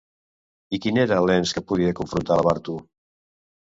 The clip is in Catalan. I quin era l'ens que podia confrontar Labartu?